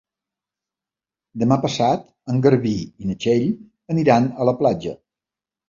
Demà passat en Garbí i na Txell aniran a la platja.